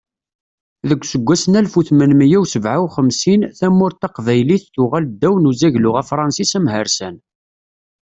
Deg useggas n alef u tmenmiyya u sebɛa u xemsin, tamurt taqbaylit tuɣal ddaw n uzaglu afṛensis amhersan.